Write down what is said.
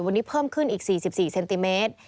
วันนี้เพิ่มขึ้นอีก๔๔เซนติเมตร